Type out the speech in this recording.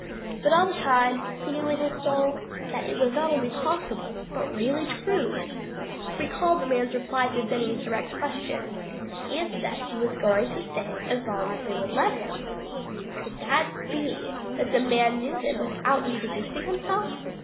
But all the time, he knew in his soul that it was not only possible, but really true. He recalled the man's reply to Benny's direct question he had said he was going to stay as long as they would let him. Could it be that the man knew them without introducing himself?